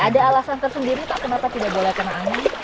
ada alasan tersendiri pak kenapa tidak boleh kena angin